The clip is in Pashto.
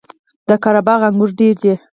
د قره باغ انګور ډیر دي